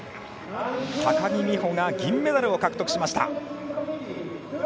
高木美帆が銀メダルを獲得しました。